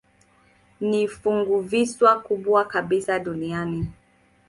Ni funguvisiwa kubwa kabisa duniani.